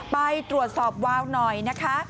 ไปตรวจสอบวาวหน่อยนะคะ